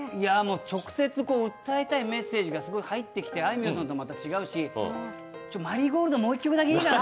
直接訴えたいメッセージが入ってきてあいみょんさんともまた違うし、「マリーゴールド」もう１回いいかな？